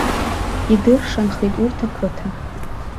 Идыршанхеит урҭ ақыҭа.